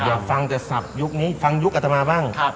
อยากฟังแต่ศัพทยุคนี้ฟังยุคอัตมาบ้าง